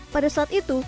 pada saat itu